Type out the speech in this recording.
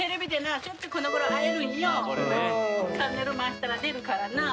チャンネル回したら出るからな。